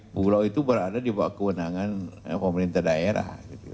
pulau itu berada di bawah kewenangan pemerintah daerah